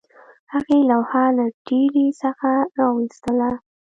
هغې لوحه له ډیرۍ څخه راویستله